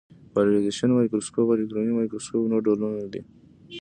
پالرېزېشن مایکروسکوپ او الکترونیکي مایکروسکوپ نور ډولونه دي.